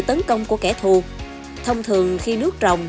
tấn công của kẻ thù thông thường khi nước rồng